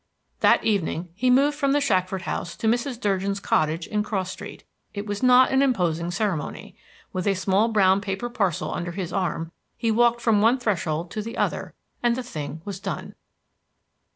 That evening he moved from the Shackford house to Mrs. Durgin's cottage in Cross Street. It was not an imposing ceremony. With a small brown paper parcel under his arm, he walked from one threshold to the other, and the thing was done.